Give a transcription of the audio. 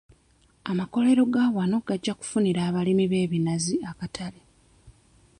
Amakolero ga wano gajja kufunira abalimi b'ebinazi akatale.